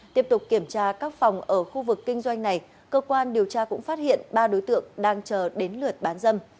tiếp tục kiểm tra các phòng ở khu vực kinh doanh này cơ quan điều tra cũng phát hiện ba đối tượng đang chờ đến lượt bán dâm